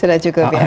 sudah cukup ya